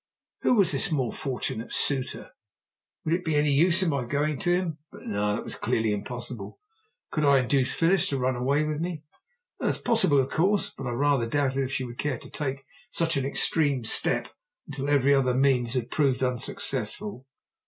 Who was this more fortunate suitor? Would it be any use my going to him and but no, that was clearly impossible. Could I induce Phyllis to run away with me? That was possible, of course, but I rather doubted if she would care to take such an extreme step until every other means had proved unsuccessful.